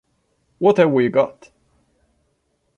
What Have We Got!